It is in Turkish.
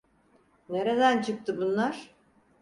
Nereden çıktı bunlar?